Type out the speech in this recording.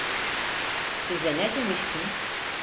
Size ne demiştim?